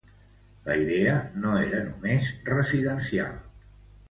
La idea no era només residencial.